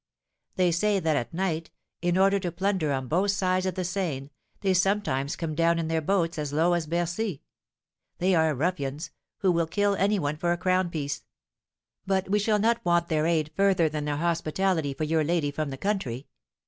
They say that at night, in order to plunder on both sides of the Seine, they sometimes come down in their boats as low as Bercy. They are ruffians, who will kill any one for a crown piece; but we shall not want their aid further than their hospitality for your lady from the country.